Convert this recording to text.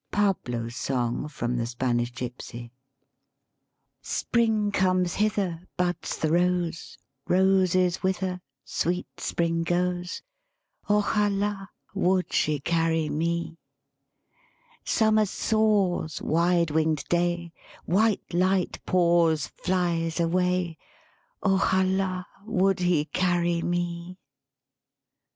PABLO'S SONG FROM "THE SPANISH GYPSY "" Spring conies hither, Buds the rose; Roses wither, Sweet spring goes. Ojala, would she carry me! 137 THE SPEAKING VOICE Summer soars Wide winged day, White light pours, Flies away. Ojald, would he carry me!